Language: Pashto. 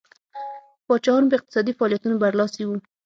پاچاهان په اقتصادي فعالیتونو برلاسي وو.